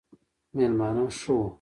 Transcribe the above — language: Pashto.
مېلمانه ښه وو